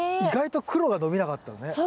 意外と黒が伸びなかったのね。